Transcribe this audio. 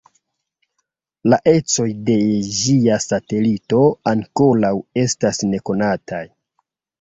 La ecoj de ĝia satelito ankoraŭ estas nekonataj.